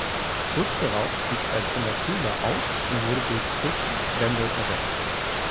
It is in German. Kurz darauf stieg Alexander Köhler aus und wurde durch Chris Wendel ersetzt.